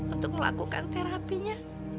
untuk melakukan terapinya